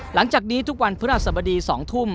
หลังจากนี้ทุกวันพฤหัสบดี๒ทุ่ม